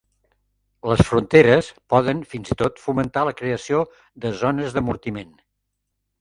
Les fronteres poden fins i tot fomentar la creació de zones d'amortiment.